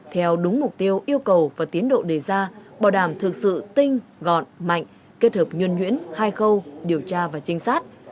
theo đúng mục tiêu yêu cầu và tiến độ đề ra bảo đảm thực sự tinh gọn mạnh kết hợp nhuân nhuyễn hai khâu điều tra và trinh sát